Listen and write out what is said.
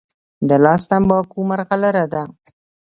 د لاس تڼاکه ملغلره ده.